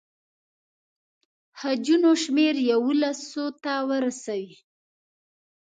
حجونو شمېر یوولسو ته ورسوي.